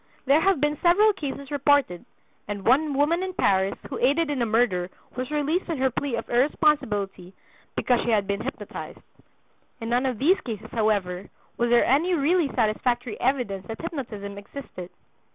There have been several cases reported, and one woman in Paris who aided in a murder was released on her plea of irresponsibility because she had been hypnotized. In none of these cases, however, was there any really satisfactory evidence that hypnotism existed.